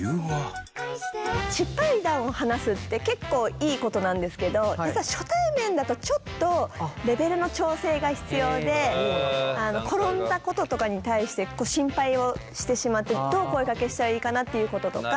失敗談を話すって結構いいことなんですけど実は初対面だとちょっとレベルの調整が必要で転んだこととかに対して心配をしてしまってどう声かけしたらいいかなっていうこととか。